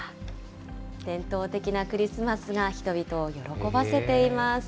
伝統的なクリスマスが人々を喜ばせています。